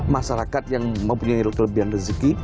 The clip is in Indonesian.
masyarakat yang mempunyai kelebihan rezeki